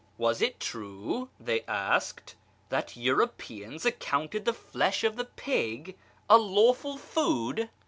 "Was it true," they asked, "that Europeans accounted the flesh of the pig a lawful food